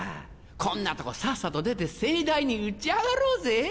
こんなとこ、さっさと出て盛大に打ち上がろうぜ。